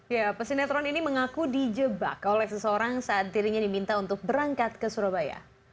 ya pesinetron ini mengaku dijebak oleh seseorang saat dirinya diminta untuk berangkat ke surabaya